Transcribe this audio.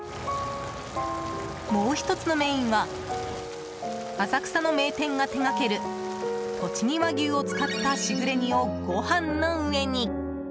もう１つのメインは浅草の名店が手掛ける栃木和牛を使った時雨煮をごはんの上に。